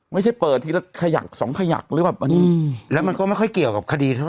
ไม่ใช่เปิดทีละขยักสองขยักหรือแบบอันนี้แล้วมันก็ไม่ค่อยเกี่ยวกับคดีเท่าไ